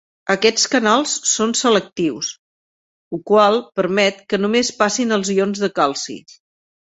Aquests canals són selectius, ho qual permet que només passin els ions de calci.